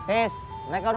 ya tapi caranya gak gini